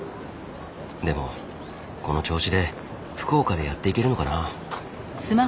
でもこの調子で福岡でやっていけるのかな。